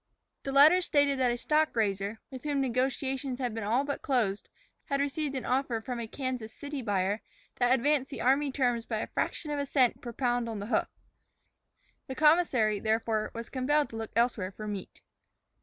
The letter stated that a stock raiser, with whom negotiations had been all but closed, had received an offer from a Kansas City buyer that advanced the army terms by a fraction of a cent per pound on the hoof. The commissary, therefore, was compelled to look elsewhere for meat.